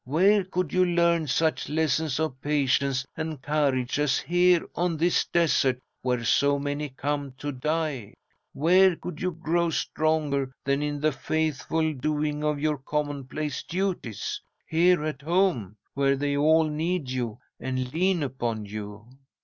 Where could you learn such lessons of patience and courage as here on this desert where so many come to die? Where could you grow stronger than in the faithful doing of your commonplace duties, here at home, where they all need you and lean upon you?